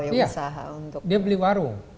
yang bisa untuk dia beli warung